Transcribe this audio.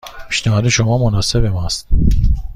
پیشنهاد شما مناسب ما است.